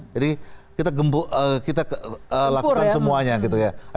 jadi kita gempuk kita lakukan semuanya gitu ya